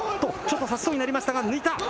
ちょっと差しそうになりましたが、抜いた。